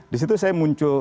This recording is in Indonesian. di situ saya muncul